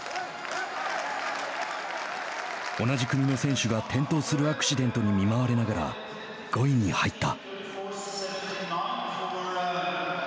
同じ組の選手が転倒するアクシデントに見舞われながら５位に入った。